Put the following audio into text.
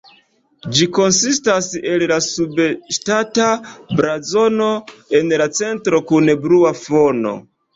Ĝi konsistas el la subŝtata blazono en la centro kun blua fono.